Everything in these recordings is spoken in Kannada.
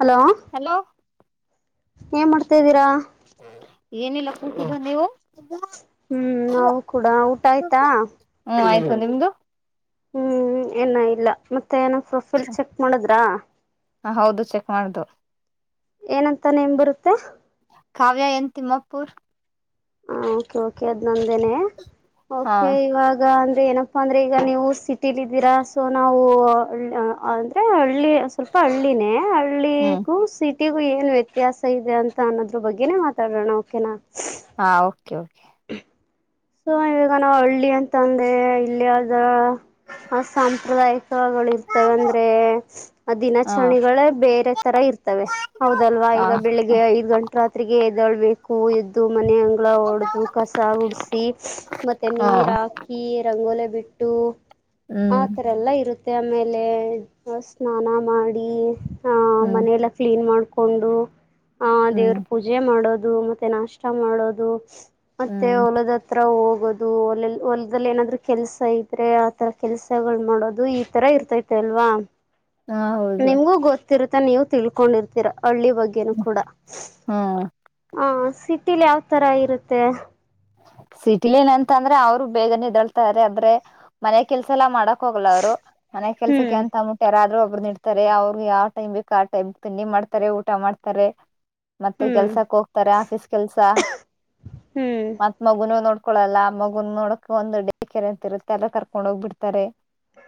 ಹಲೋ ಹಲೋ ಏನ್ ಮಾಡ್ತಿದ್ದೀರಾ ಏನಿಲ್ಲ ಕೂತಿದ್ದೀನಿ ನೀವು ಹ್ಮ್ ನಾವು ಕೂಡ ಊಟ ಆಯ್ತಾ ಹ್ಮ್ ಆಯ್ತು ನಿಮ್ದು ಹ್ಮ್ ಏನ ಇಲ್ಲ ಮತ್ ತ್ತೇ ಏನೋ ಪ್ರೊಫೈಲ್ ಚೆಕ್ ಮಾಡಿದ್ರಾ ಹಾ ಹೌದು ಚೆಕ್ ಮಾಡ್ದೋ ಏನಂತ ನೇಮ್ ಬರುತ್ತೆ ಕಾವ್ಯ ಎನ್ ತಿಮ್ಮಾಪುರ್ ಹಾ ಓಕೆ ಓಕೆ ಅದ್ ನಂದ್ ದೇನೇ ಹಾ ಓಕೆ ಇವಾಗ ಅಂದ್ರೆ ಏನಪ್ ಅಂದ್ರೆ ಈಗ ನೀವು ಸಿಟಿಲಿ ಇದ್ದೀರಾ ಸೊ ನಾವು ಅಂದ್ರೆ ಹಳ್ಳಿ ಸ್ವಲ್ಪ ಹಳ್ಳಿನೇ ಹ್ಮ್ ಹಳ್ಳಿಗೂ ಸಿಟ್ ಟ್ಟಿಗೂ ಏನ್ ವ್ಯತ್ಯಾಸ ಇದೆ ಅಂತ ಅನ್ನೋದ್ರ ಬಗ್ಗೆನೇ ಮಾತಾಡೋಣ ಓಕೆನಾ ಹಾ ಓಕೆ ಓಕೆ ಸೊ ಇವಾಗ ನಾವು ಹಳ್ಳಿ ಅಂತಂದ್ರೆ ಇಲ್ಲಿದ ಆ ಸಾಂಪ್ರದಾಯಿಕ ಉತ್ಸವಗಳು ಇರ್ತವೆ ಅಂದ್ರೆ ಹಾ ದಿನಾಚರಣೆಗಳೇ ಬೇರೆ ತರ ಇರ್ತವೆ ಹೌದಲ್ವಾ ಹಾ ಈಗ ಬೆಳಿಗ್ಗೆ ಐದ್ ಗಂಟೆ ರಾತ್ರಿಗೆ ೊಳ್ಬೇಕು ಎ್ದು ಮನೆ ಅಂಗಳ ಹೊಡ್ದು ಕಸ ಆಗ ಉಡಸ ಮತ್ತೆ ಹಾ ನೀ ರಾಕಿ ರಂಗೋಲೆ ಬಿಟ್ಟು ಆ ಹ್ಮ್ ತರ ಎಲ್ಲಾ ಇರುತ್ತೆ ಮತ್ತು ಆಮೇಲೆ ಸ್ನಾನ ಮಾಡಿ ಹ ಹ್ಮ್ ಮನೆ ಎಲ್ಲ ಕ್ಲೀನ್ ಮಾಡ್ ಕುಂಡೋ ಹ ಹ್ಮ್ ದೇವ್ರ ಪೂಜೆ ಮಾಡೋದು ಮತ್ತೆ ನಾಷ್ಟ ಮಾಡೋದು ಮತ್ತೆ ಹ್ಮ್ ಹಲದ ಆರ ಹೋಗೋದು ಒ ಹೊಲ್ದಲ್ಲಿ ಏನಾದ್ರು ಕೆಲ್ಸ ಇದ್ರೆ ಆತರ ಕೆಲ್ಸಗಳು ಮಾಡೋದು ಈ ತರ ಇರ್ತೈತೆ ಅಲ್ವಾ ಹಾ ಹೌದು ಿರತ ನೀವು ತಿಳ್ಕೊಂಡಿರ್ತೀರಾ ಹಳ್ಳಿ ಬಗ್ಗೆನು ಕೂಡ ಹ್ಮ್ ಹ ಸಿಟಿಲಿ ಯಾವ ತರ ಇರುತ್ತೆ ಸಿಟಿಲನಂತ ಅಂದ್ರೆ ಅವ್ರು ಬೇಗನೆ ಇದಳ್ತಾರೆ ಅ ಆದ್ರೆ ಮನೆ ಕೆಲ್ಸ ಎಲ್ಲಾ ಮಾಡಕ್ ಹೋಗ್ಲ ಅವ್ರು ಮನೆ ಹ್ಮ್ ಕೆಲ್ಸಕ್ಕೆ ಅಂತ ಮುಟ್ಟ ಯಾರಾದ್ರರು ಒಡ್ತಾರೆ ಅವ್ರರು ಯಾವ ಟೈಮ್ ಬೇಕು ಆ ಟೈಮ್ ತಿಣಿ ಮಾಡ್ತಾರೆ ಊಟ ಮಾಡ್ತಾರೆ ಮತ್ತೆ ಹ್ಮ್ ಕೆಲ್ಸಕ್ಕೆ ಹೋಗ್ತಾರೆ ಆಫೀಸ್ ಕೆಲ್ಸ ಹ್ಮ್ ಮತ್ ಮಗುನು ನೋಡ್ ಹಕೊಳ್ಳಳಲ್ಲ ಆ ಮಗು ನೋಡಕಕ್ ಒಂದು ಡ ಕೆರೆ ಅಂತಿರುತ್ತೆಲ್ಲ ಕರ್ಕೊಂಡ್ ಹೋಗ್ಬ ಬಿಡ್ತಾರೆ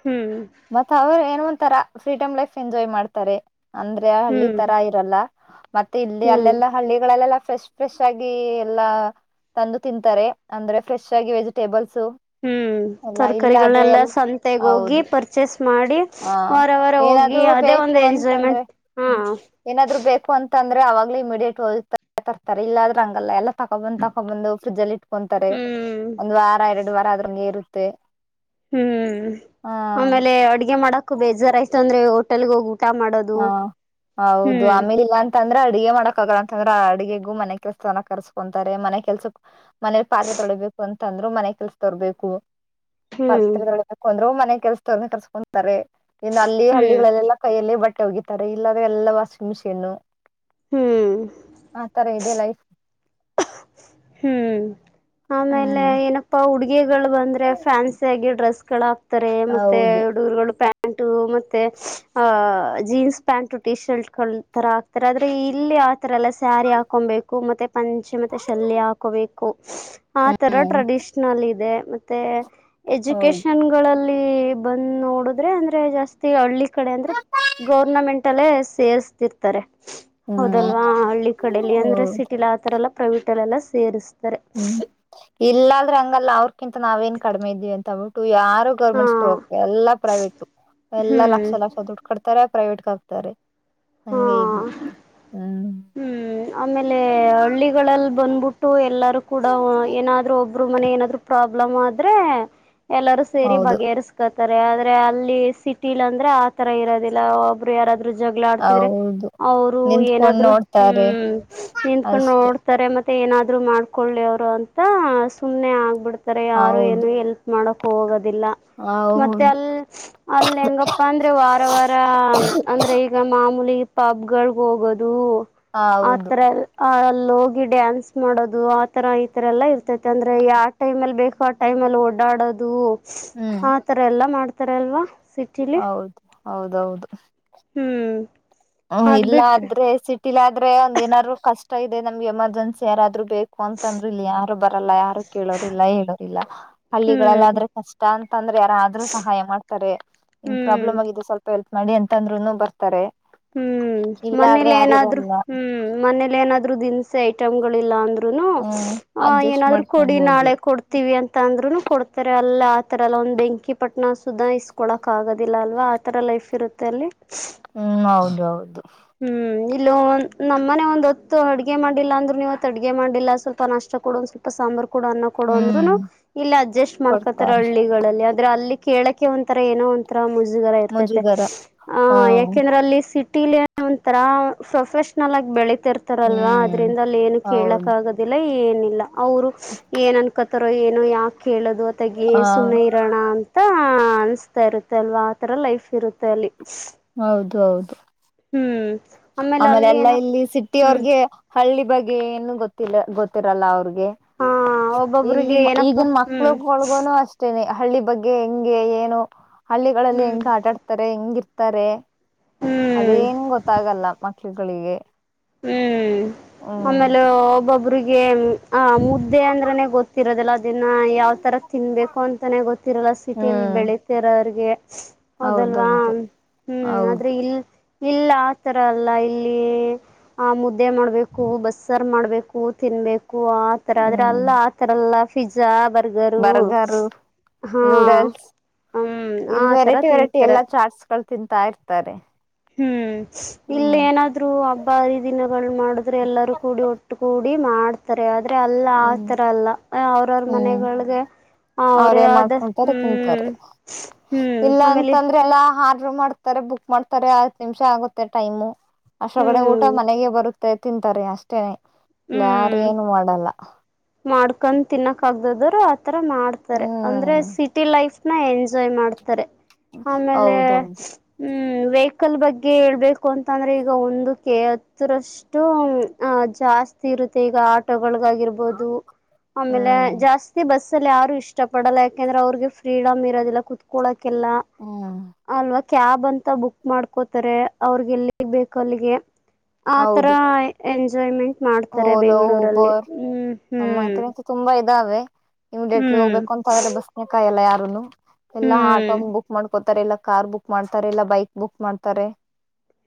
ಹ್ಮ್ ಬತ್ತಾವ ಒಂ ತರ ಫ್ರೀಡಮ್ ಲೈಫ್ ಎಂಜಾಯ್ ಮಾಡ್ತಾರೆ ಅಂದ್ರೆ ಹಳ್ಳಿ ಹ್ಮ್ ತರ ಇರಲ್ಲ ಮತ್ತೆ ಇಲ್ಲಿ ಹ್ಮ್ ಅಲ್ಲೆಲ್ಲಾ ಹಳ್ಳಿಗಳಲ್ಲೆಲ್ಲ ಫ್ರೆಶ್ ಫ್ರೆಶ್ ಆಗಿ ಎಲ್ಲಾ ತಂದು ತಿಂತಾರೆ ಅಂದ್ರೆ ಫ್ರೆಶ್ ಆಗಿ ವೆಜಿಟೇಬಲ್ಸ್ ಹ್ಮ್ ತರ್ಕಾರಿಗಳೆಲ್ಲ ಎಲ್ ಸಂತೆಗ್ ಹೋಗಿ ಹೌದು ಪರ್ಚೇಸ್ ಮಾಡಿ ಹ ವಾರವರ ಹೋಗಿ ಏನಾದ್ರು ಅದೇ ಬೇಕು ಒಂದು ಅಂತಂದ್ರೆ ಎಂಜಾಯ್ಮೆಂಟ್ ಹಾ. ಅಂದ್ರೆವಾಗಲೇ ಇಮಿಡಿಯೇಟ್ ಹೋಗಿ ತರ್ತಾರೆ ಇಲ್ಲ ಆದ್ರೆ ಆಗಲ್ಲಾ ಎಲ್ಲ ತಕ್ಕೊಂಡ್ ಬಂದ್ ತಕ್ಕೊಂಡ್ ಬಂದು ಫ್ರಿಜ್ ಅಲ್ಲಿ ಇಟ್ಕೊಂತಾರೆ ಹ್ಮ್ ಒಂದ ವಾರ ಎರಡು ವಾರ ಅದ್ರ ನೀರು. ಅಂತೆ [inaudible] ಹ್ಮ್ ಆಮೇಲೆ ಅಡ್ಗೆ ಮಾಡಕ್. ಬೇಜಾರ ಆಯತ ಅಂದ್ರೆ ಹೋಟೆಲ್ ಹೋಗು ಉನ್ಕೋ. ಹಾ ಹೌದು ಆಮೇಲಿಲ್ಲ ಅಂತ ಅಂದ್ರೆ ಅಡಗೆ ಮಾಡಕ್ ಆಗಲ್ಲ ಅಂತಂದ್ರ ಅಡುಗೆಗೂ ಮನೆ ಕೆಲ್ಸನ ಕರ್ಸ್ಕೊಂತಾರೆ ಮನೆ ಕೆಲ್ಸ ಮನೆಲಿ ಪಾತ್ರೆ ತೊಳಬೇಕು ಅಂತ ಅಂದ್ರು ಮನೆ ಕೆಲ್ಸ ತರ್ಬೇಕು. ಹ್ಮ್ ಪಾತ್ರೆ ತೋಳಿಬೇಕ ಅಂದ್ರು ಮತ್ತೆ. ಮನೆ ಕೆಲಸದವ್ರಣ ಕರ್ಸ್ಕೊಂತಾರೆ. ಇನ್ನು ಅಲ್ಲಿ ಹ್ಮ್ ಹಳ್ಳಿಗಳಲ್ಲೆಲ್ಲಾ ಕೈಯಲ್ಲಿ ಬಟ್ಟೆ- ಓಗಿತಾರೆ ಇಲ್ಲಾದ್ರೆ ಎಲ್ಲ ವಾಷಿಂಗ್ ಮಿಷೀನ್ನು. ಹ್ಮ್ ಆ ತರ ಇದೆ ಲೈಫ್ ಹ್ಮ್ ಆಮೇಲೆ ಹ್ಮ್ ಏನಪ್ಪಾ ಹುಡುಗಿ. [inaudible] ಗಳು ಬಂದ್ರೆ ಫ್ಯಾನ್ಸಿಯಾಗಿ ಡ್ರೆಸ್ ಕೆಳಗ ಅಂತಾರೆ ಮತ್ತೆ ಹೌದು ಡೂರುಗಳು ಫ್ಯಾನ ಪ್ಯಾಂಟು ಮತ್ತೆ ಆ ಜೀನ್ಸ್ ಪ್ಯಾಂಟು ಟಿ ಶರ್ಟ್ಗಳು ತರ ಹಾಕ್ತಾರೆ ಆದ್ರೆ ಇಲ್ಲಿ. ಆ ತರ ಎಲ್ಲ ಸ್ಯಾರಿ ಹಾಕೊಬೇಕು ಮತ್ತೆ- ಪಂಚಮತೇ ಶಲ್ಯ ಬೇಕು ಆ ತರ ಹ್ಮ್ ಟ್ರೆಡಿಷನಲ್ ಇದೆ ಮತ್ತೆ ಹೌದು ಎಜುಕೇಶನ್ಗಳಲ್ಲಿ ಇಲ್ಲಿ ಬಂದ್ ನೋಡಿದ್ರೆ ಅಂದ್ರೆ ಜಾಸ್ತಿ ಹಳ್ಳಿ ಕಡೆ ಅಂದ್ರೆ ಗೌರ್ನಮೆಂಟ್ ಅಲ್ಲೇ ಸೇರ್ಸ್ತಿರ್ತಾರೆ. ಹ್ಮ್ ಹೌದಲ್ವಾ ಹಳ್ಳಿ ಕಡೆಲಿ ಅಂದ್ರೆ ಹೌದು ಸಿಟಿಲೀ ಆತರ ಎಲ್ಲ [unintelligible] ಸೇರಿಸ ಹ್ಮ್ ಇಲ್ಲ ಆದ್ರೆ ಹಂಗಲ್ಲ ಅವ್ರಕ್ಕಿಂತ. ನಾವೇನ್ ಕಡಿಮೆ ಇದೀವಿ ಅಂತವು ಯಾರು ಹಾ ಗೌರ್ಮೆಂಟ್ ಸ್ಕೂಲ್ ಹೋಗ್ತ ಎಲ್ಲಾ ಪ್ರೈವೇಟು ಎಲ್ಲಾ ಲಕ್ಷ ಹ್ಮ್ ಲಕ್ಷ ದುಡ್ಡು ಕಡ್ತಾರೆ. ಪ್ರೈವೇಟ್ಗ ಹಾಕ್ತಾರೆ. ಹಾ ಹಂಗೆ ಇಲ್ಲಿ ಹ್ಮ್. ಹ ಆಮೇಲೆ ಹಳ್ಳಿಗಳಲ್ಲಿ ಬಂದ್ಬಿಟ್ಟು ಎಲ್ಲರೂ ಕೂಡ ಏನಾದ್ರು ಒಬ್ರು ಮನೆ ಏನಾದ್ೂ ಪ್ರಾಬ್ ಪ್ರಾಬ್ಲಮ್ ಆದ್ರೆ ಎಲ್ಲಾರೂ ಸೇರಿ ಹೌದು ಬಗೆಹರಿಸಸ್ಕತ್ ಾರೆ ಆದ್ರೆ ಅಲ್ಲಿ ಸಿಟಿಲಂತ ಅಂದ್ರೆ ಆ ತರ ಇರೋದಿಲ್ಲಬ್ ಯಾರ ಜಗಳ ಆಡ್ತಿದ್ರೆ ಹೌದು ಅವ್ರು ನಿಂತ್ಕೊಂಡ್ ಏನಾದ್ರು ನೋಡ್ತಾರೆ ಹ್ಮ್ ನಿಂಕೊಂಡು ಅಷ್ಟೆ ನೋಡ್ತಾರೆ ಮತ್ತೆ ಮತ್ತ ಏನಾದ್ರು ಮಾಡ್ಕೊಳ್ಳಿ ಅವ್ರು ಅಂತ ಸುಮ್ಮ್ನೆ ಆಗ್ಬಿಡ್ತ ಯಾರು ಹೌದು ಏನು ಎಲ್ಪ್ ಮಾಡೋ ಹೋಗ ಮತ್ತೆ ಹೌದು ಅಲ್ಲಿ ಅಲ್ಲಿ ಹೆಂಗಪ್ಪ ಅಂದ್ರೆ ವಾರ ವಾರ ಅಂದ್ರೆ ಈಗ ಮಾಮೂಲಿ ಪಬ್ ಗಳಗೆ ಹೋಗೋದು ಹೌದು ಅತ್ರ ಆ ಅಲ್ಲಿ ಹೋಗಿ ಡ್ಯಾನ್ಸ್ ಮಾಡೋದು ಆತರ ಈ ತರ ಎಲ್ಲಾ ಇರ್ತೈತಿ ಂದ್ರ ಯ ಆ ಟಮ್ ಅಲ್ಲಿ ಬೇಕು ಆ ಟೈಮ ಅಲ್ಲಿ ಓಡಾಡೋದು. ಹ್ಮ್ ಆ ತರ ಎಲ್ಲಾ ಮಾಡ್ತ ತ್ತರಲ್ವಾ ಸಿಟಲ್ಲಿ ಹೌದು ಹ್ಮ್ ಹ್ಮ ಅದ್ ಇಲ್ಲ ಬಿಟ್ರಿ ಆದ್ರೆ ಸಿಟ್ಟ ಇಲ್ಲ ಆದ್ರೆ ಒಂದ್ಏನಾದ್ರು ಕಷ್ಟ ಇದೆ ನಮ್ಗೆ ಎಮರ್ಜೆನ್ಸಿ ಯಾರಾದ್ರು ಬೇಕು ಅಂತ ಅಂದ್ರ ಇಲ್ಲಿ ಯಾರ ಬ ಲ್ಲ ಯಾರು ಕೇಳೋರ್ಲ್ಲ ಹೇಳೋರಿಿಲ್ಲಲ್ಲ ಹ್ಮ್ ಹಳ್ಳಿಗಳಲ್ಲ ಆದ್ರೆ ಕಷ್ಟ ಅಂತಂದ್ರೆ ಯಾರಾದ್ರೂ ಸಹಾಯ ಮಾಡ್ತಾರೆ ಇನ್ ಹ್ಮ್ ಪ್ರಾಬ್ಲಮ್ ಆಗ ಸ್ವಲ್ಪ ಎಪ್ ಮಾಡಡಿ ಅಂತ ಅಂದ್ರುನು ಬರ್ತಾರೆ ಹ್ಮ್ ಇಲ್ಲ ಆದ್ರೆ ಮನೇಲಿ ಏನಾದ್ರು ಯಾರಿರಲ್ಲ ಹ್ಮ್ ಮನೇಲಿ ಏನಾದ್ರು ದಿನಸ ಆಯ್ತು ಂಗಳಿಲ್ಲ ಅಂದ್ರೆ ಹ್ಮ್ ಅಡ್ಜಸ್ಟ್ ಏನಾದ್ರು ಕೊಡಿ ಮಾಡ್ಕೊಬಹುದು ನಾಳೆ ಕೊಡ್ತೀವಿ ಅಂತ ಅಂದ್ರು ಕೊಡ್ತಾರೆ ಅಲ್ಲ ಆತರ ಎಲ್ಲ ಒಂದ್ ಬೆಂಕಿ ಪಟ್ಣ ಸುುದ ಇಸ್ಕೊಳಕ್ ಆಗೋದಿಲ್ಲ ಅಲ್ವಾ ಆತರ ಲೈಫ್ ಇರುತ್ತೆ ಅಲ್ಲಿ ಹ್ಮ್ ಹೌದು ಹೌದು ಹ್ಮ್ ಇಲ್ಲ್ ನಮ್ಮನೆ ಒಂದ್ ಹೊತ್ತು ಅಡ್ಗೆ ಮಾಡಿಲ್ಲ ಅಂದ್ರೂ ನೀವತ್ ಅಡ್ಗೆ ಮಾಡಿಲ್ಲ ಸ್ವಲ್ಪ ನಷ್ಟ ಕೊಡ ಒಂದ್ ಸ್ವಲ್ಪ ಸಾಂಬಾರು ಕೂಡ ಅನ್ನ ಕೊಡ ಅಂದ್ರುನು ಹ್ಮ್ ಇಲ್ಲಿ ಅಡ್ಜಸ್ಟ್ ಮಾಡ್ಕೊತಾರೆ ಕೊಡ್ತಾರೆ ಹಳ್ಳಿಗಳಲ್ಲಿ ಆದ್ರೆ ಅಲ್ಲಿ ಕೇಳಕ್ಕೆೆ ಒಂಂತರ ಏನೋ ಒಂರ ಮುಜ ಇತ ಮುಜುಗರ ಆ ಹ ಯಾಕೆಂದ್ರೆ ಅಲ್ಲಿ ತಿ ಒಂಥರ ಪ್ರೊಫೆಷನಲ್ ಆಗಿ ಬೆಳಿ ಇತಿ ಇರ್ತಾರಲ್ವಾ ಹ್ಮ್ ಅದ್ರಿಂದ ಅಲ್ಲಿ ಏನು ಕೇಳಕ್ ಹೌದು ಆಗುದಿಲ್ಲ ಏನಿಲ್ಲ ಅವರು ಏನ್ನ್ಕತ್ತ ೋ ಏನು ಯಾಕ ಕೇಳ ಅದು ಹೊತ್ತಗೆ ಹ ಸುಮ್ನೆ ಇರೋಣ ಅಂತ ಕಾಣಿಸ್ತಾ ಇರುತ್ತ ಅಲ್ವಾ ಆತರ ಲೈಫ್ ಇರುತ್ತೆ ಅಲ್ಲಿ ಹೌದು ಹೌದು ಹ್ಮ್ ಆಮೇಲೆ ಅಲ್ಲಿ ಎಲ್ಲಾ ಏನ ಇಲ್ಲಿ ಸಿಟ್ಟಿ ಹ್ಮ್ ಅವರ್ಗೆ ಹಳ್ಳಿ ಬಗ್ಗೆ ಏನು ಗೊತ್ತಿಲ್ಲ ಗೊತ್ತಿರಲ್ಲ ಅವ್ರಿಗೆ ಹಾ ಇಲ್ಲಿ ಒಬ್ಬೊಬ್ರಿಗೆ ಏನಪ್ಪ ಈಗಿನ ಮಕ್ಳು ಹ್ಮ್ ಒಳ್ಗೋನು ಅಷ್ಟೇನೆ ಹಳ್ಳಿ ಬಗ್ಗೆ ಹೆಂಗೆ ಏನು ಹಳ್ಳಿಗಳಲ್ಲಿ ಹ್ಮ್ ಹೆಂಗ ಆಟ ಆಡ್ತಾರೆ ಹೆಂಗಿರ್ ತಾರೆ ಹ್ಮ್ ಅದೇನ್ ಗೊತ್ತ ಲ್ಲ ಮಕ್ಕಳುಗಳಿಗೆ ಹ್ಮ್ ಆಮೇಲೆ ಒಬ್ಬೊಬ್ ರಿಗೆ ಆ ಮುದ್ದೆ ಅಂದ್ರನೇ ಗೊತ್ತಿರೋದಲ್ಲ ಅದನ್ನು ಯಾವತಥರ ತಿನ್ಬೇಕು ಅಂತಾನೇ ಗೊತ್ತಿರಲ್ಲ ಸಿಟಿಲ್ಲಿ ಹ್ಮ್ ಬೆಳೀತಿರೋ ಅವಿಗೆ ಹೌದಲ್ವಾ ಹೌದೌದು ಹ್ಮ್ ಆದ್ರೆ ಹೌದು ಇಲ್ ಇಲ್ಲ ಆತರ ಅಲ್ಲ ಇಲ್ಲಿ ಆ ಮುದ್ದೆ ಮಾಡ್ಬೇಕು ಬಸ್ಸರ್ ಮಾಡ್ಬೇಕು ತಿನ್ಬೇಕು ಆತರ ಆದ್ರ ಹ್ಮ್ ಅಲ್ಲ ಆಥರ ಎಲ್ಲ ಪಿ್ಜ ಬರ್ಗರು ನೂಡಲ್ಸ್ ಹ್ಮ್ ಇಲ್ಲಿ ಆತರ ವೆರೈಟಿ ವೆರೈಟಿ ತಿಂತಾರೆ ಎಲ್ಲಾ ಚಾಟ್ಸ್ಗಳು ತಿಂತಾ ಇರ್ತಾರೆ ಹ್ಮ್ ಹ್ಮ್ ಇಲ್ಲಿ ಏನಾದ್ೂಬ್ ಪಾರಿ ದಿನ ಮಾಡಿದ್ರೆ ಎಲ್ಲರೂ ಕೂಡಿ ಒಟ್ಟು ಕೂಡಿ ಡಿ ಮಾಡ್ತಾರೆ ಆದ್ರೆ ಅಲ್ಲ ಹ್ಮ್ ಆತರ ಅಲ್ಲ ಅವ್ರವ್ರ ಹ್ಮ್ ಮನೆಗಳಗೆ ಅವ್ರೇನ್ ಮಾಡ್ಕೊಂತಾರೆ ತಿಂತಾರೆ ಹ್ಮ್ ಇಲ್ಲ ಆಮೇಲೆ ಅಂತಂದ್ರೆ ಎಲ್ಲ ಆರ್ಡರ್ ಮಾಡ್ತಾರೆ ಬುಕ್ ಮಾಡ್ತಾರೆ ಹತ್ ನಿಮಿಷ ಆಗುತ್ತೆ ಟೈಮು ಅಷ್ಟೊಗಡೆ ಊಟ ಹ್ಮ್ ಮನೆಗೆ ಬರುತ್ತೆ ತಿಂತಾರೆ ಅಷ್ಟೇನೆ ಇಲ್ಲ ಹ್ಮ್ ಯಾರುೇಏನು ಮಾಡಲ್ಲ ಮಾಡ್ಕೊಂಡ್ ತಿನ್ನಕ ಆಗ್ದದರು ತರ ಮಾಡ್ತಾರೆ ಅಂದ್ರೆ ಹ್ಮ್ ಸಿಟಿ ಲೈಫ್ ಎಂಜಾಯ್ ಮಾಡ್ತಾರೆ ಆಮೇಲೆ್ಮ ಹೌದೌದು ಹ್ಮ್ ವೆಹಿಕಲ್ ಬಗ್ಗೆ ಹೇಳ್ಬೇಕು ಅಂತಂದ್ರೆ ಈಗ ಒಂದುಕ್ಕೆ ಹತ್ತರಷ್ಟು ಜಾಸ್ತಿ ಇರುತ್ತೆ ಈಗ ಆಟೋಗಳಗಾಗಿ ಆಮೇಲೆ ಹ್ಮ್ ಜಾಸ್ತಿ ಬಸ್ ಯಾರು ಇಷ್ಟ ಪಡಲ್ಲ ಯಾಕಂದ್ರೆ ಅವ್ರಿಗೆ ಫ್ರೀಡಮ್ ಇರೋದಿಲ್ಲ ಕುತ್ಕೊಳ್ಳೋಕ್ಕೆ ಕಲ್ಲ ಹ್ಮ್ ಅಲ್ವತ್ತು ಕ್ಯಾಬ್ ಅಂತ ಬುಕ್ ಮಾಡ್ಕೋತಾರೆ ಅವ್ರಗೆಲ್ಲಿ ಬೇಕು ಅಲ್ಲಿಗೆ ಆ ತರ ಹೌದು ಎಂಜಯ್ಮೆಂಟ್ ಮಾಡ್ತಾರೆ ಬೆಂಗ್ಗಳೂರಲ್ಲಿ ಹ್ಮ್ ಅಮ್ಮ ಹ್ಮ್ ತುಂಬಾ ಇದಾವೆ ಹ ಇಮಿಡಿಯಟ್ಲಿ ಹ್ಮ್ ಹೋಗಬೇಕು ಅಂತಂದ್ರೆ ಬಸ್ನೆಾಯಲ್ಲ ಯು ಅನ್ನು ಎಲ್ಲಾ ಆಟೋ ಹ್ಮ್ ಬುಕ್ ಮಾಡ್ಕೋತಾರೆ ಎಲ್ಲ ಕಾರ್ ಬುಕ್ ಮಾಡ್ತಾರೆ ಇಲ್ಲ ಬೈಕ್ ಬುಕ್ ಮಾಡ್ತಾರೆ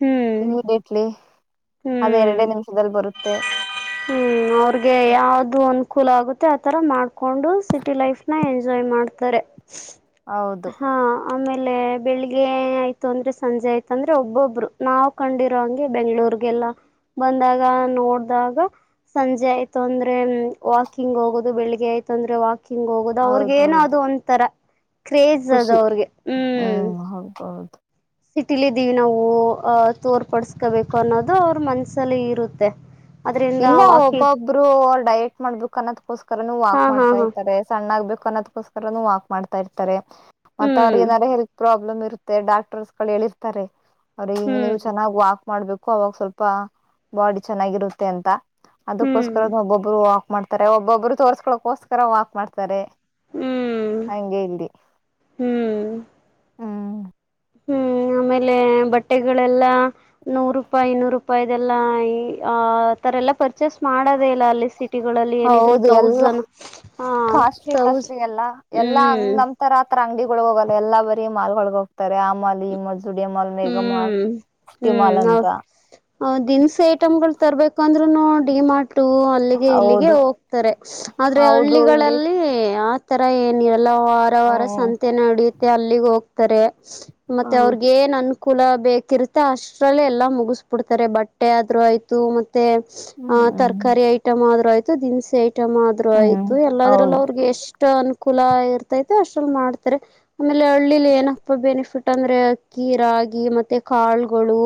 ಹ್ಮ್ ಇಮ್ಮೀಡಿಯಟ್ಲಿ ಅದ ಹ್ಮ್ ಎರಡೇ ನಿಮಿಷ ಬರುತ್ತೆ ಂತೆೆ ಹ್ಮ್ ಅವ್ರಗೆ ಯಾವ್ದು ಒಂದು ಕುೂಲ್ ಆಗುತ್ತೆ ಆತರ ಮಾಡ್ಕೊಂಡು ಸಿಟಿ ಲೈಫ್ ನ ಎಂಜಾಯ್ ಮಾಡ್ತಾರೆ ಹೌದು ಅಲೆ ಬೆಳಿಗ್ಗೆ ಆಯ್ತು ಅಂದ್ರೆ ಸಂಜೆ ಆಯ್ತ ಅಂದ್ರೆ ಒಬ್ಬೊಬ್ರು ನಾವವು ಕಂಡಿರೋ ಹಂಗೆ ಬೆಂಗ್ಗಳೂರ್ಗೆಲ್ಲ ಬಂದಾಗ ನೋಡ್ದಾಗ ಸಂಜೆ ಆಯ್ತು ಅಂದ್ರೆ ವಾಕಿಂಗ್ ಹೋಗೋುದು ಬೆಳಗ್ಗೆ ಆಯ್ತು ಅಂದ್ರೆ ವಾಕಿಂಗ್ ಕ್ಕಿಂಗ ಹೋಗೋುದು ಅವ್ರಗ ಏನೋ ಅದು ಹೌದೌದು ಒಂಂತರ ಕ್ರೇಜ್ ಅದು ಖುಷಿ ಅವ್ರಿಗೆ ಹ್ಮ್ ಸಿಟಿಲ ಇದೀವಿ ನಾವು ಅಹ ತೋರ್ ಪಡಸ್ಕೋಬೇಕು ಅನ್ನೋದು ಅವ್ರ ಮನ್ಸಲ್ಲಿ ಇರುತ್ತೆ ಅದ್ರಿಂದ ಇಲ್ಲ ನಾವು ಹಾಕಿ ಒಬ್ಬೊಬ್ರು ಡಯೇಟ್ ಮಾಡ್ಬೇಕು ಕ ಕೋಸ್ಕರನು ಹಾ ವಾಕ್ ಹಾ ಮಾಡ್ತಾ ಹಾ ಇರ್ಾರೆ ಸಣ್ಣ ಆಗ್ಬೇಕು ನ್ನದಕ್ಕೋಸ್ಕರೂ ವಾಕ್ ಮಾಡ್ತಾ ಇರ್ತಾರೆ ಮತ್ತ ಅವ್ರ ಹ್ಮ್ ಏನಾದಾರ ಹೆಲ್ತ್ ಪ್ರಾಬ್ ಪ್ರಬ್ಮ್ ಇರುತ್ತೆ ಡಾಕ್ಟರ್ಸ್ ಗಳು ಹೇಳಿರ್ತಾರೆ ಅವ್ರಿಗೆ ಈಿಗ ಹ್ಮ್ ನೀವು ಚೆನ್ನ್ ವಾ ಮಾಡ್ಬೇಕು ಅವಾಗ ಸ್ವಲ್ಪ ಬಾಡಿ ಚೆನ್ನಾಗಿರುತ್ತೆ ತೆಂತ ಹ್ಮ್ ಅದಕ್ಕೋಸ್ಕರದ ಒಬ್ಬೊಬ್ರು ಮಾಡ್ತಾರೆ ಒಬ್ಬೊಬ್ರು ತೋರ್ಸ್ಕೊಕೋಸ್ಕರ ವಾಕ್ ಮಾಡ್ತಾರೆ ಹ್ಮ್ ಹಂಗೇ ಇಲ್ಲಿ ಹ್ಮ್ ಹ್ಮ್ ಹ್ಮ್ ಆಮೇಲೆ ಬಟ್ಟೆಗಳೆಲ್ಲಾ ನೂರು ರೂಪಾಯಿ ಇನ್ನೂರು ರೂಪಾಯಿ ಇದೆಲ್ಲಾ ಆ ತರ ಎಲ್ಲ ಪರ್ಚಸ್ ಮಾಡೋದೇ ಇಲ್ಲ ಅಲ್ಲಿ ಸಿಟಿಗಳಲ್ಲಿ ಏನಿದ್ರು ಹೌದು ಎಲ್ಲಾ ತೌಸನ್್ ಕಾಸ್ಟ್ಲಿ ಹೌ ಕಾಸ್ಟ್ಲಿ ಎಲ್ಲಾ ಎಲ್ಲಾ ಹ್ಮ್ ಹಂಗ್ ನಮ್ ತರ ಆತರ ಅಂಗಡಿಗಳಗ್ ಹೋಗಲ್ಲ ಎಲ್ಲಾ ಬರಿ ಮಾಲ್ಗಳಳಗ ಹೋಗ್ತಾರೆ ಆ ಮಾಲ್ ಈ ಮಾ ಹ್ಮ್ ಅಂತ ಹ್ಮ್ ದಿನಸ ಐಟಮ್ಗಳು ತರ್ಬೇಕು ಅಂದ್ರೆ ಇ ಡಿ ಮಾರ್ಟ್ ಅಲ್ಲಿಗೆ ಇಲ್ಲಿಗೆ ಹೌದು ಹೋಗ್ತಾರೆ ಆದ್ರೆ ಹೌದು ಇಲ್ಲಿ ಹಳ್ಳಿಗಳಲ್ಲಿ ತರಏ ಎಲ್ಲ ವಾರ ವಾರ ಹ್ಮ್ ಸಂತೆ ನಡುತ್ತೆ ಅಲ್ಲಿಗೆ ಹೋಗ್ ತರೇ ಮತ್ತೆ ಅವ್ರಗ ಹೌದು ನ್ನ್ ಕೂಲ ಬೇಕಿರುತ್ತೆ ಅಷ್ಟ್ರಲ್ಲೇ ಎಲ್ಲ ಮುಗಿಸ್ಬಿಡ್ತಾರೆ ಬಟ್ಟೆ ಆದ್ೂ ಆಯ್ತು ಮತ್ತೆ ಮತ್ತೆ ಆ ಹ್ಮ್ ತರಕಾರಿ ಐಟಮ್ ಆದ್ರೂ ಆಯ್ತ ದಿನನ್ ಸೆಟ್ ಇ್ೂ ಹ್ಮ್ ಆಯ್ತು ಎಲ್ಲದ್ರಲ್ಲೂ ಹೌದು ಅವ್ರಿಗೆ ಎಷ್ಟು ಅ ಕುಲ ಇರ್ತೈತೆ ಅಷ್ಟಲ್ಲಿ ಮಾಡ್ತಾರೆ ಆಮೇಲೆ ಹಳ್ಳಿಲಿ ಏನಪ್ಪ ಬೆನಿಫಿಟ್ ಅಂದ್ರೆ ಕೀರಾ ಮತ್ತೆ ಕಾಳಗಳು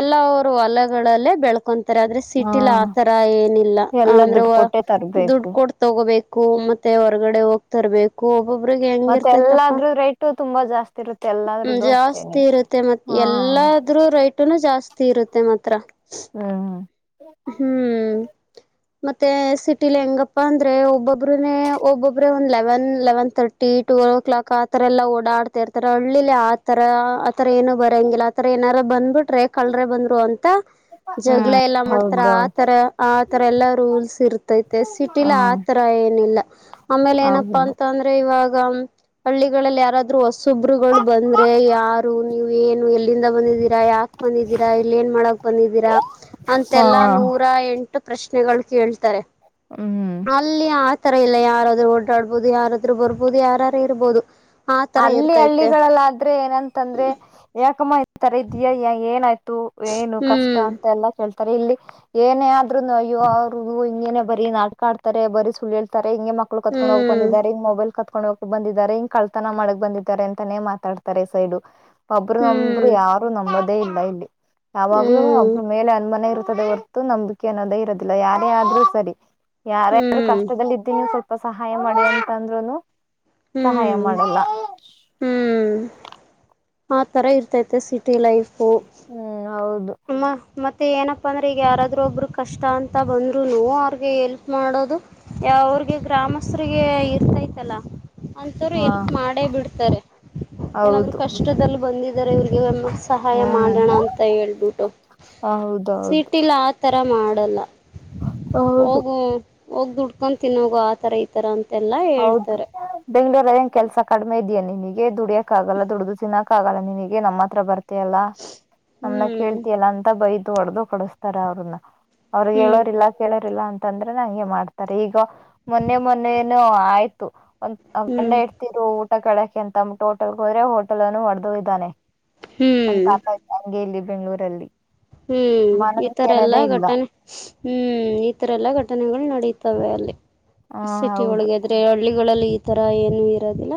ಎಲ್ಲ ಹೊಲಲ್ಲ ಬೆಳ ಕಕೊಂತಾರೆ ಅ್ರೆ ಹಾ ಸಿಟಿಲ್ ಆತರ ಏನಿಲ್ಲ ಎಲ್ಲ ಅಂದ್ರೆ ದುಡ್ಡು ಕೊಟ್ಟೆ ದುಡ್ ತರ್ಬೇಕು ಕೊಡ್ ತಗೋಬೇಕು ು ಮತ್ತೆ ಹೊರ್ಗಡೆ ಹೋಗ್ತರ್ಬೇಕು ಒಬ್ಬೊಬ್ರಿಗೆ ಮತ್ತೆ ಹೆಂಗಿರ್ತೈತಪ್ಪಾ ಎಲ್ಲಾದ್ರೂ ರೇಟು ತುಂಬಾ ಜಾಸ್ತಿ ಇರುತ್ತೆ ಎಲ್ಲಾದ್ರ್ದು ಅಷ್ಟೇನೆ ಮತ್ತ ಮತ್ತೆ ಹಾ ಎಲ್ಲಾದ್ರೂ ರೇಟನು ಜಾಸ್ತಿ ಇರುತ್ತೆ ಮಾತ್ರ ಹ್ಮ್ ಹ್ಮ್ಮ್. ಹ್ಮ್ ಮತ್ತೆ ಸಿಟಿಲಿ ಹೆಂಗಪ್ಪಾ ಅಂದ್ರೆ ಒಬ್ಬೊಬ್ರನೆ ಒಬ್ಬೊಬ್ಬ್ರೇ ಒಂದ್ eleven eleven thirty twelve clock ಆತರ ಎಲ್ಲ ಓಡಾಡ್ಾ ಇರ್ತಾರೆ ಹಳ್ಳಿಲಿ ಆತರ ಆತರ ಏನು ಬರೋಂಗಿಲ್ಲ ಆತರ ಏನಾರು ಬಂದ್ಬಿಟ್ಟು ಕಳ್ರೆ ಬಂದ್ರು ಅಂತ ಜಗಳ ಹ್ಮ್ ಎಲ್ಲಾ ಮಾಡ್ತ ಆರ ಹೌದೌದು ಆತರ ಆತರ ಎಲ್ಲಾ ರೂಲ್ಸ್ ಇರ್ತೈತೆ ಸಿಟಿಲ ಹ್ಮ್ ಆತರ ಏನಿಲ್ಲ ಆಮೇಲೆ ಏನಪ್ಪಾ ಹೌದು ಅಂತ ಅಂದ್ರೆ ಇವಾಗ ಹಳ್ಳಿಗಳಲ್ಲಿ ಯಾರಾದ್ೂ ಹೊಸೊಬ್ರುಗಳು ಬಂದ್ರೆ ಯಾರು ನೀವ ಏನು ಎಲ್ಲಿಂದ ಬಂದಿದೀ ಯಾಕೆ ಬಂದಿದ್ದೀರಾ ಇಲ್ಲ ಏನ್ ಮಾಡಕ್ ಬಂದಿದ್ದೀರಾ ಅಂತ ಹಾ ಲ್ಲಾ ನೂರ ಎಂಟು ಪ್ರಶ್ ಪ್ರಶ್ನೆಗಳು ಕೇಳ್ತಾರೆ ಹ್ಮ್ ಅಲ್ಲಿ ಆತರ ಇಲ್ಲ ಯ ಯಾರಾದ್ರೂ ಓಡಾಡ್ಬಹುದು ಯಾರಾದ್ರೂ ಬರ್ಬಹದು ಯಾರಾರು ಇರ್ಬೋದು ಆ ತರ ಅಲ್ಲಿ ಇರ್ತೈತೆ ಹಳ್ಳಿಗಳಲ್ಲಾದ್ರೆ ಏನಂತಂದ್ರೆ ಯಾಕಮ ತರ ಇದಯಾ ಏನಾಯ್ತು ಏನು ಕಷ್ಟ ಹ್ಮ್ ಅಂತ ಎಲ್ಲಾ ಕೆಲ್ಸ ಇಲ್ಲಿ ಏನೇ ಆದ್ರುನು ಅಯ್ಯ ಅವ್ರಗ ಹಿಂಗೇನೆ ಬರಿೀ ನಾಕ ಆಡ್ತಾರೆ ಬರೀ ಸುಳ್ಳೇಳ್ತಾರೆ ಹಂಗೆ ಮಕ್ಕಳ ಕಕೊಂಡ ಹೋಗ ಹ್ಮ್ ಬಂದಿದ್ದಾರೆ ಮೊೈಲ್ ಕೊಂಡೋಗಕ್ ಬಂದಿದ್ದಾರೆ ಹಂಗ ಕ ನ ಮಾಡಕ್ ಬಂದಿದ್ದಾರೆ ಅಂತಾನೇ ಮಾತಾಡ್ತಾರೆ ಸೈಡು ಒಬ್ಬರು ನಂಬರು ಹ್ಮ್ ಯಾರು ನಂಬರ್ ಅೇ ಇಲ್ಲ ಇಲ್ಲಿ ಯಾವಾಗ್ಲೂ ಹ್ಮ್ ಒಬ್ಬ ಮೇಲೆ ಅನ್ಮನೆ ಇರು ಹೊತು ನಂಬಿಕೆ ಅನ್ನೋದೇ ಇರೋದಿಲ್ಲ ಯಾರೇ ಆದ್ರೂ ಸರಿ ಯಾರ ಯಾರು ಹ್ಮ್ ಕಷ್ಟದಲ್ಲಿ ಇದ್ದೀ ನೀವು ಸ್ವಲ್ ಸ್ಪ ಸಹಾಯ ಮಾಡಿದೆ ಅಂತ ಅಂದ್ರುನು ಸಹಾಯ ಹ್ಮ್ ಮಾಡಲ್ಲ ಹ್ಮ್ ಆ ತರ ಇರ್ತೈತೆ ಸಿಟಿ ಲೈಫ್ ಹ ಹ್ಮ್ ಹೌದು ಮ ಮತ್ತೆ ಮತ್ತೆ ಏನಪ್ಪಾ ಅಂದ್ರೆ ಈಗ ಯಾರಾದ್ರೂ ಒಬ್ರು ಕಷ್ಟ ಅಂತ ಬಂದ್ರುನು ಅವ್ರಿಗೆ ಎಲ್ಪ್ ಮಾಡೋದು ಅವ್ರಿಗೆ ಗ್ರಾಮಸ್ಥರಿಗೆ ಇರ್ತೈತಲ್ಲ ಅಂಂತರು ಹಾ ಎಲ್ಪ್ ಮಾಡೇ ಬಿಡ್ತಾರೆ ಏನಾದ್ರು ಹೌದು ಕಷ್ಟದಲ್ಲಿ ಬಂದ ಇದ ಇರಿಗೆ ಅಮ್ಮ ಸಹಾಯ ಹ್ಮ್ ಮಾಡೋಣ ಅಂತ ಹೇಳೇಳ್ಬಿಟ್ಟು ಹೌದೌದು ಸೀಟಲ್ಲ ಆ ತರ ಮಾಡಲ್ಲ ಹೌದು ಹೋಗು ಹೋಗಿ ದುಡ್ಕೊತೀನಗ ಆ ತರ ಈ ತರ ಅಂತ ಹೌದು ಬೆಂಗಳೂರು ನ್ ಕೆಲಸ ಕಡಿಮೆ ಇದ್ಯ ನೀಿ ನಿನಗೆ ದುಡಿಯಕಕ್ಕಗಲ್ಲ ದುಡಿದು ತಿನ್ನಕ್ಕ ಆಗಲ್ಲ ನಿನಗೆ ನಮ್ಮ ಹತ್ರ ಬರ್ತ ಲ್ಲ ನಮ್ನ ಹ್ಮ್ ಕೇಳ್ತಿಯಲ್ಲ ಅಂತ ಬೈ ಹೊಡೆದು ಕೊಡಿಸ್ತಾರ ಅವ್ರನ್ನ ಅವ್ರಗ್ ಹ್ಮ್ ಹೇಳೋರಿಲ್ಲ ಕೇಳೋರಿಿಲ್ಲಾ ಅಂತ ಂದ್ರೆ ನಂಗೆ ಮಾಡ್ತಾರೆ ಈಗ ಮೊನ್ನೆ ಮೊನ್ನೆ ಇನ್ನುೋ ಆಯ್ತು ಒ ಗಂಡ ಹ್ಮ್ ಇಡ್ತಿರು ಊಟ ಕಕ ಕೆಂತ ಟೋಟಲ್ ಹೋ್ರೆ ಹೋಟೆಲ್ ಅನ್ನು ಹೊಡೆದು ಇದ್ದಾನೆ ನಮ್ ಹ್ಮ್ ತಾತ ಇ ಹಂಗೆ ಇಲ್ಲಿ ಬೆಂ್ಗಳೂರಲ್ಲಿ ಹ್ಮ್ ಈತರ ಎಲ್ಲಾ ಇಲ್ಲ ಘಟನೆ ಹ್ಮ್ ಈತರ ಎಲ್ಲಾ ಘಟನೆಗಳು ನಡೀತ ತವೆಯಲ್ಲಿ ಹ ಸಿಟಿ ಹೌದು ಒಳಗೆ ಇದ್ರೆ ಹಳ್ಳಿಗಳಲ್ಲಿ ಇ ಆತರ ಏನು ಇರೋದಿಲ್ಲ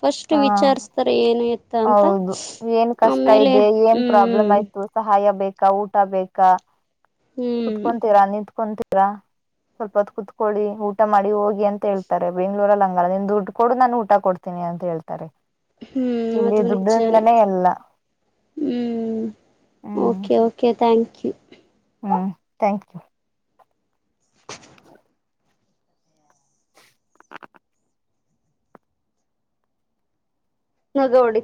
ಫಸ್ಟ್ ಹ ವಿಚಾರಿಸಸ್ತಾರೆ ಏನು ಎತ್ತ ಅಂತ ಹೌದು ಏನ್ ಕಷ್ಟ ಆಮೇಲೆ ಇದೆ ಏನ್ ಪ್ರಾಬ್ಲಮ್ ಹ್ಮ್ ಆಯ್ತು ಸಹಾಯ ಬೇಕಾ ಊಟ ಬೇಕಾ ಹ್ಮ್ ಕುಂತ್ಕೊಂತೀರಾ, ನಿಂತ್ಕೊಂತೀರಾ ಸ್ವಲ್ಪ ಹೊತ್ ಕುೂತ್ಕೊಳ್ಳಡಿ ಊಟ ಮಾಡಿ ಹೋಗಿ ಅಂತ ಹೇಳ್ತಾರೆ ಬೆಂಗಳೂರಲ್ಲಿ ಹಂಗಾಲ್ಲ ನಿಂದು ದುಡ್ಡು ಕೊಡು ನಾನು ಊಟ ಕೊಡ್ತೀನಿ ಅಂತ ಹೇಳ್ತಾರೆ ಹು ಇಲ್ಲಿ ಅದು ನಿಜಾನೇ ದುಡ್ಡಿಂದನೇ ಎಲ್ಲ ಹು ಓಕೆ ಓಕೆ ಥಾಂಕ್ ಕ್ಯೂ ಹ್ ಥ್ಯಾಂಕ್ ಯು ಹ್ ಹ ಇವಾಗ ಹೊಡಿತೀನಿ